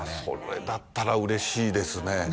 それだったら嬉しいですね